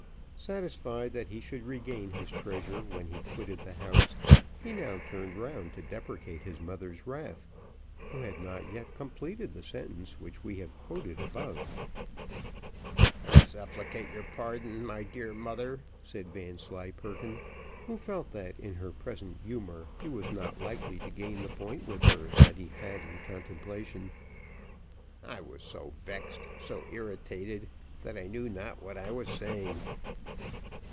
Satisfied that he should regain his treasure when he quitted the house, he now turned round to deprecate his mother's wrath, who had not yet completed the sentence which we have quoted above. "I supplicate your pardon, my dear mother," said Vanslyperken, who felt that in her present humour he was not likely to gain the point with her that he had in contemplation. "I was so vexed so irritated that I knew not what I was saying."